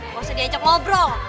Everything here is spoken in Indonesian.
gak usah diajak ngobrol